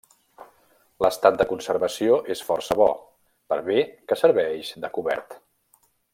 L'estat de conservació és força bo, per bé que serveix de cobert.